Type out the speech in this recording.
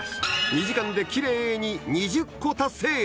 ２時間でキレイに２０個達成！